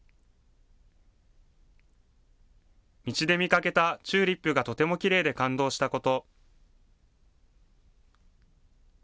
道で見かけたチューリップがとてもきれいで感動したこと。